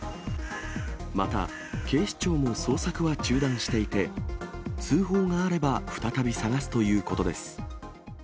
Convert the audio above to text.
また警視庁も捜索は中断していて、通報があれば再び捜すということです。